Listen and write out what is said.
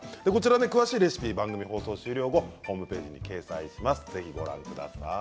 詳しいレシピは番組終了後ホームページでご紹介します。